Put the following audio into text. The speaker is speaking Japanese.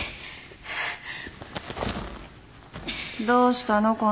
どうしたの？